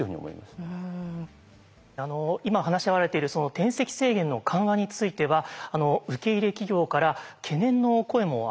今話し合われているその転籍制限の緩和については受け入れ企業から懸念の声も上がっているんです。